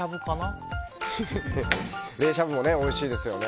冷しゃぶもおいしいですよね。